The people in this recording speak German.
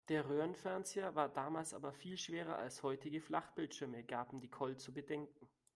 Der Röhrenfernseher war damals aber viel schwerer als heutige Flachbildschirme, gab Nicole zu bedenken.